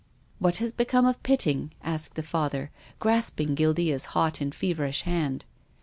"What has become of Pitting?" asked the Father, grasping Guildea's hot and feverish hand.